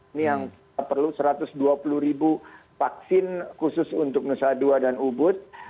ini yang kita perlu satu ratus dua puluh ribu vaksin khusus untuk nusa dua dan ubud